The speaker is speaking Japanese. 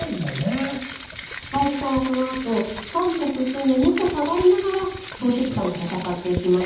香さんはこのあと３歩進んで２歩下がりながら喪失感と闘っていきます。